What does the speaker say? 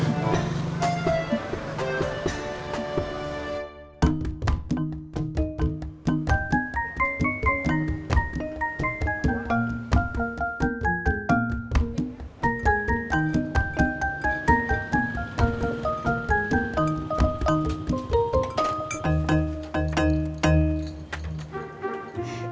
tidak ada apa apa